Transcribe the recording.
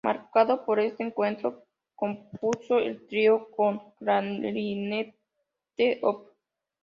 Marcado por este encuentro, compuso el trío con clarinete op.